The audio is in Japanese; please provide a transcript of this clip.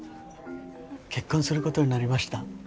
結婚することになりました。